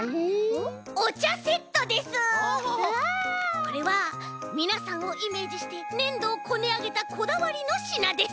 これはみなさんをイメージしてねんどをこねあげたこだわりのしなです。